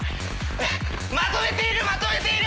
まとめているまとめている。